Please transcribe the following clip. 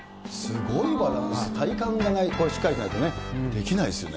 すごいバランス、体幹がしっかりしないとね、できないですよね。